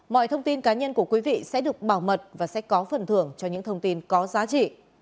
mọi thông tin cá nhân của quý vị sẽ được bảo mật và sẽ có phần thưởng cho những thông tin có giá trị